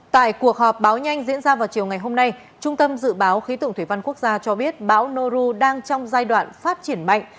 tại cuộc họp báo nhanh diễn ra vào chiều ngày hôm nay trung tâm dự báo khí tượng thủy văn quốc gia cho biết bão noru đang trong giai đoạn phát triển mạnh